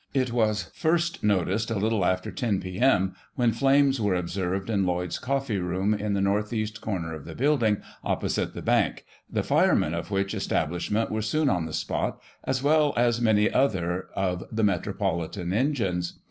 It was first noticed a little after 10 p.m., when flames were observed in Lloyd's Coffee Room in the north east comer of the building, opposite the Bank, the firemen of which estab lishment were soon on the spot, as well as many other of the metropolitan engines.